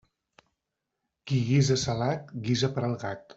Qui guisa salat guisa per al gat.